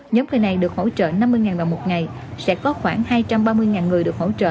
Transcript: nhóm cây này được hỗ trợ năm mươi đồng một ngày sẽ có khoảng hai trăm ba mươi người được hỗ trợ